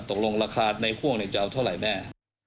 ตกลงราคาในพ่วงจะเอาเท่าไหร่แน่